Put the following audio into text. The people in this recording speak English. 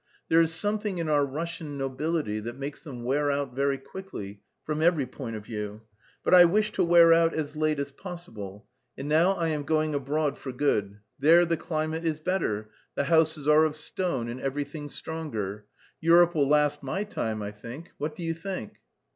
"There is something in our Russian nobility that makes them wear out very quickly, from every point of view. But I wish to wear out as late as possible, and now I am going abroad for good; there the climate is better, the houses are of stone, and everything stronger. Europe will last my time, I think. What do you think?"